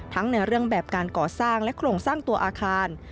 ในเรื่องแบบการก่อสร้างและโครงสร้างตัวอาคาร